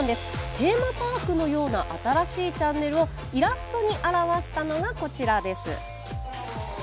テーマパークのような新しいチャンネルをイラストに表したのがこちらです。